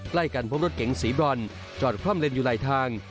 ใกล้กันพบรถเก๋งสีบรอนจอดคว่ำเล่นอยู่หลายทาง